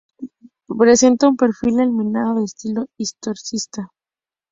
Presenta un perfil almenado de estilo historicista.